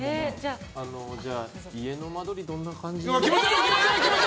じゃあ、家の間取りどんな感じ。